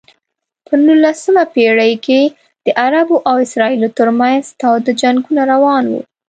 په نولسمه پېړۍ کې د عربو او اسرائیلو ترمنځ تاوده جنګونه روان و.